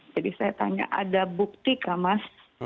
jadi saya tanya ada bukti kah mas